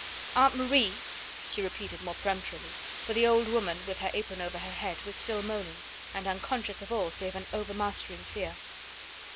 "Aunt Marie!" she repeated more peremptorily, for the old woman, with her apron over her head, was still moaning, and unconscious of all save an overmastering fear.